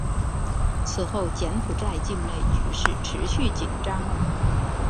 此后柬埔寨境内局势持续紧张。